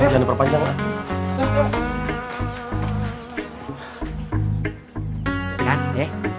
jangan diperpanjang lah